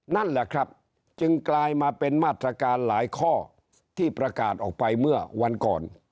นั่นแหละครับจึงกลายมาเป็นมาตรการหลายข้อที่ประกาศออกไปเมื่อวันก่อน